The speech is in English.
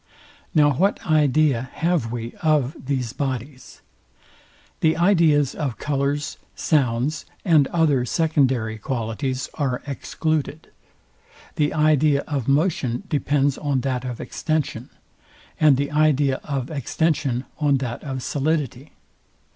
Now what idea have we of these bodies? The ideas of colours, sounds, and other secondary qualities are excluded. The idea of motion depends on that of extension, and the idea of extension on that of solidity.